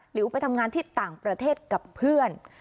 หรือไปทำงานที่ต่างประเทศกับเพื่อน